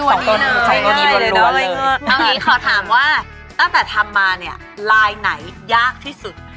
เอานี้ขอถามว่าตั้งแต่ทำมาเนี่ยไลน์ไหนยากที่สุด